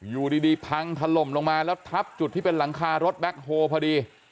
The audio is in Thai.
อยู่ดีพังถล่มลงมาแล้วทับจุดที่เป็นหลังคารถแบ็คโฮพอดี